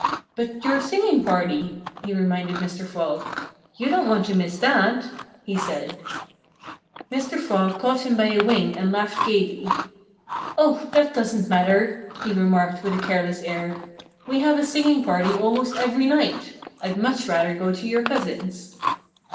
"But your singing party!" he reminded Mr. Frog. "You don't want to miss that!" he said. Mr. Frog caught him by a wing and laughed gaily. "Oh! That doesn't matter," he remarked with a careless air. "We have a singing party almost every night. I'd much rather go to your cousin's."